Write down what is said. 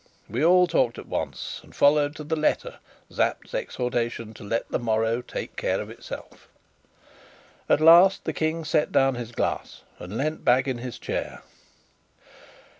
We all talked at once, and followed to the letter Sapt's exhortation to let the morrow take care of itself. At last the King set down his glass and leant back in his chair.